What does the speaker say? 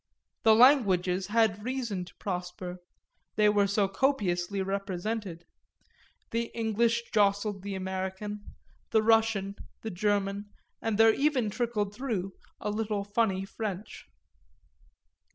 The languages had reason to prosper they were so copiously represented; the English jostled the American, the Russian the German, and there even trickled through a little funny French.